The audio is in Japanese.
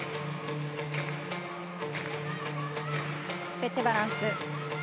フェッテバランス。